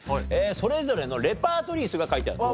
それぞれのレパートリー数が書いてあります。